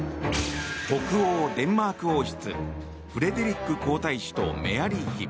北欧デンマーク王室フレデリック皇太子とメアリー妃。